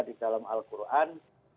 di dalam al quran